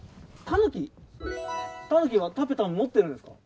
タヌキはタペタム持ってるんですか？